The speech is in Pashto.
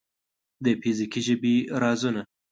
د فزیکي ژبې رازونه